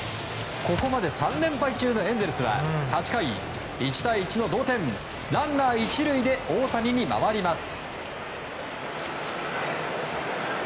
ここまで３連敗中のエンゼルスは８回、１対１の同点ランナー１塁で大谷に回ります。